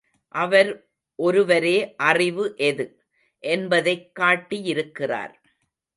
அவர் ஒருவரே அறிவு எது? என்பதைக் காட்டியிருக்கிறார்.